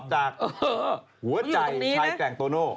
จากหัวใจชายแกร่งโตโน่